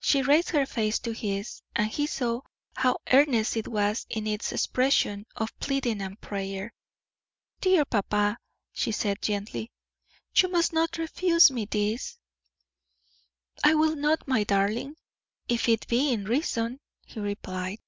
She raised her face to his, and he saw how earnest it was in its expression of pleading and prayer. "Dear papa," she said, gently, "you must not refuse me this." "I will not, my darling, if it be in reason," he replied.